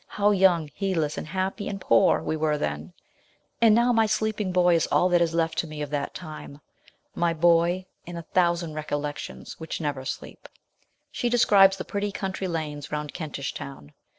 How young, heedless, and happy and poor we were then, and now my sleeping boy is all that is left to me of that time my boy and a thousand recollections which never sleep." She describes the pretty country lanes round Kentish Town.